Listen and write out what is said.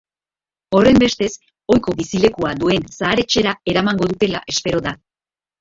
Horrenbestez, ohiko bizilekua duen zahar-etxera eramago dutela espero da.